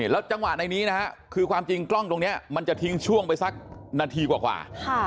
แล้วจังหวะในนี้นะฮะคือความจริงกล้องตรงนี้มันจะทิ้งช่วงไปสักนาทีกว่า